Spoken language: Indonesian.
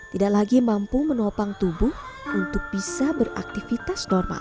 tidak lagi mampu menopang tubuh untuk bisa beraktivitas normal